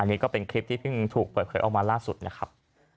นี่ก็เป็นคลิปที่เพิ่งถูกเปิดเผยออกมาล่าสุดนะครับ